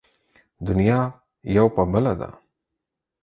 دنيا يو په بله ده.